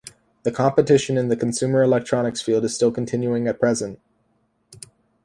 The competition in the consumer electronics field is still continuing at present.